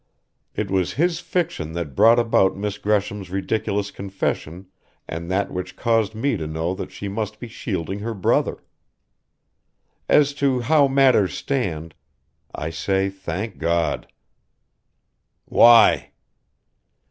It was his fiction that brought about Miss Gresham's ridiculous confession and that which caused me to know that she must be shielding her brother. As to how matters stand I say Thank God!" "Why?"